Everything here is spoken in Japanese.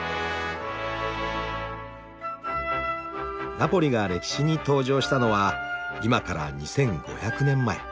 「ナポリが歴史に登場したのは今から２，５００年前。